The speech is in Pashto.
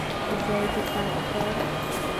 پېزه دي پاکه کړه.